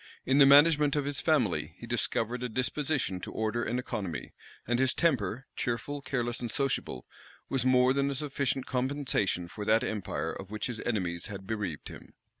In the management of his family he discovered a disposition to order and economy; and his temper, cheerful, careless, and sociable, was more than a sufficient compensation for that empire of which his enemies had bereaved him.